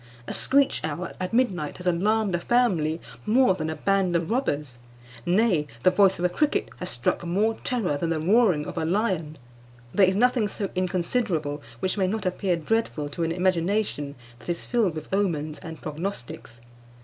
A screech owl at midnight has alarmed a family more than a band of robbers; nay, the voice of a cricket has struck more terror than the roaring of a lion. There is nothing so inconsiderable which may not appear dreadful to an imagination that is filled with omens and prognostics.